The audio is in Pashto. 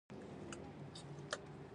د تا د کور واښه ځنګلي شوي دي